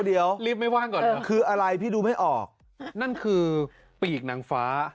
เดี๋ยวคืออะไรพี่ดูไม่ออกนั่นคือปีกนางฟ้า